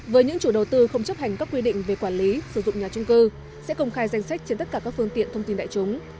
với những chủ đầu tư không chấp hành các quy định về quản lý sử dụng nhà trung cư sẽ công khai danh sách trên tất cả các phương tiện thông tin đại chúng